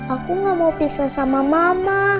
aku gak mau pisah sama mama